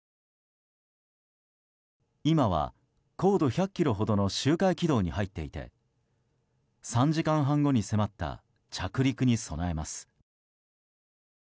今は、高度１００ｋｍほどの周回軌道に入っていて３時間半後に迫った着陸に備えます。